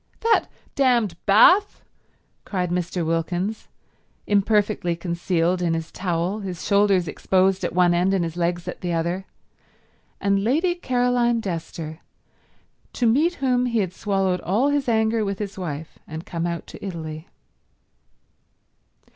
"That damned bath!" cried Mr. Wilkins, imperfectly concealed in his towel, his shoulders exposed at one end and his legs at the other, and Lady Caroline Dester, to meet whom he had swallowed all his anger with his wife and come out to Italy.